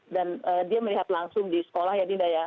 dan dia melihat langsung di sekolah ya dinda ya